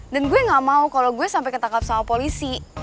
dan gue gak mau kalo gue sampai ketangkap sama polisi